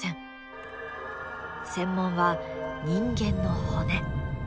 専門は人間の骨。